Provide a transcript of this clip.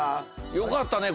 よかったね